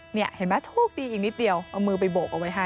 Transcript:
นี่เห็นไหมโชคดีอีกนิดเดียวเอามือไปโบกเอาไว้ให้